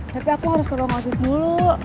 tapi aku harus ke ruang asis dulu